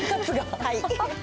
はい。